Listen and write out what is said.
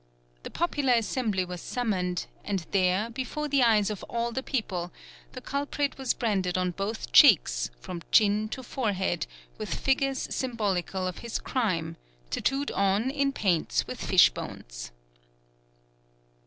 The popular assembly was summoned, and there, before the eyes of all the people, the culprit was branded on both cheeks, from chin to forehead, with figures symbolical of his crime, tatooed on in paints with fishbones.